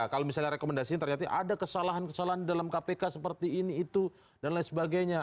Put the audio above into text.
kalau misalnya rekomendasinya ternyata ada kesalahan kesalahan dalam kpk seperti ini itu dan lain sebagainya